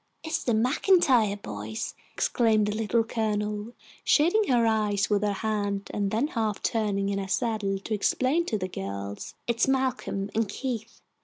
"It's the MacIntyre boys," exclaimed the Little Colonel, shading her eyes with her hand and then half turning in her saddle to explain to the girls. "It's Malcolm and Keith.